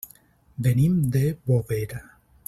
Venim de Bovera.